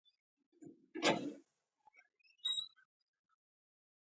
انا د کورنۍ خزانه ده